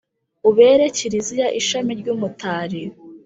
ubere kiliziya ishami ry’umutari